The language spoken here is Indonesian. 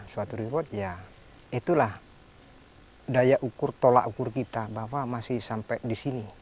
suatu reward ya itulah daya ukur tolak ukur kita bahwa masih sampai di sini